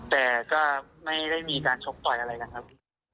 แต่ก็ไม่ได้มีการชกต่อยอะไรนะครับ